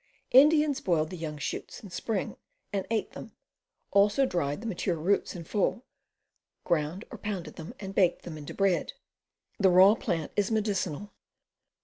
Indians boiled the young shoots in spring and ate them; also dried the mature roots in fall, ground or pounded them, and baked them into bread. The raw plant is medicinal.